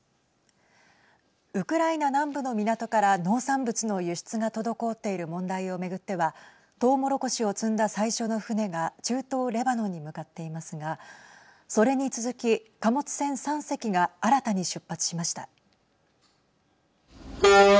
ウクライナ南部の港から農産物の輸出が滞っている問題を巡ってはトウモロコシを積んだ最初の船が中東レバノンに向かっていますがそれに続き貨物船３隻が新たに出発しました。